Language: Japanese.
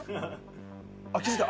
あっ気付いた。